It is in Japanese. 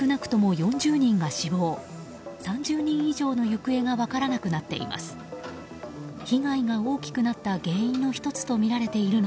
３０人以上の行方が分からなくなっています。